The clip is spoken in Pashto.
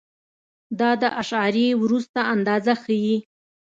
دا د اعشاریې وروسته اندازه ښیي.